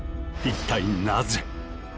一体なぜ？